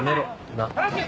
なっ。